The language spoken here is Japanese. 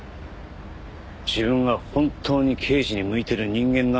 自分が本当に刑事に向いてる人間なのかどうか。